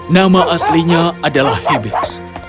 nama aslinya adalah hibis